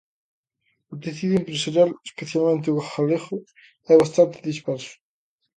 O tecido empresarial, especialmente o galego, é bastante disperso.